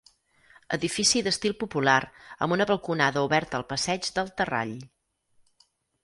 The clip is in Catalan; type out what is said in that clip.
Edifici d'estil popular, amb una balconada oberta al passeig del Terrall.